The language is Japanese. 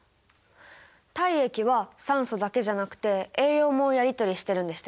体液は酸素だけじゃなくて栄養もやり取りしてるんでしたよね。